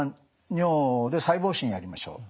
尿で細胞診やりましょう」。